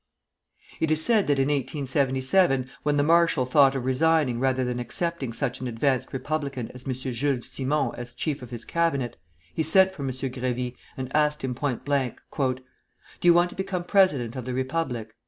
It is said that in 1877, when the marshal thought of resigning rather than accepting such an advanced Republican as M. Jules Simon as chief of his Cabinet, he sent for M. Grévy, and asked him point blank: "Do you want to become president of the Republic?"